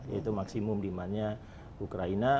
yaitu maksimum demandnya ukraina